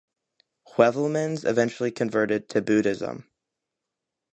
Heuvelmans eventually converted to Buddhism.